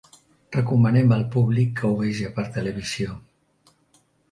Recomanen al públic que ho veja per televisió.